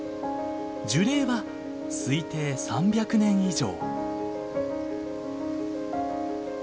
樹齢は推定３００年以上。